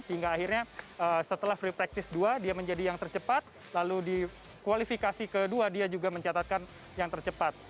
hingga akhirnya setelah free practice dua dia menjadi yang tercepat lalu di kualifikasi kedua dia juga mencatatkan yang tercepat